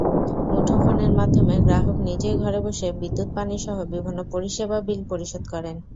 মুঠোফোনের মাধ্যমে গ্রাহক নিজেই ঘরে বসে বিদ্যুৎ, পানিসহ বিভিন্ন পরিষেবা বিল পরিশোধ করেন।